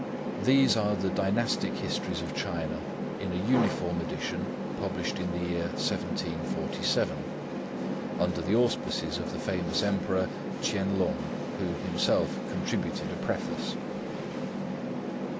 These are the dynastic histories of China, in a uniform edition published in the year 1747, under the auspices of the famous Emperor Ch'ien Lung, who himself contributed a Preface.